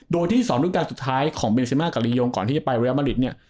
โดยที่๒รูปการณ์สุดท้ายของเบนซิมากับลียงก่อนที่จะไปเรียมริตเนี่ย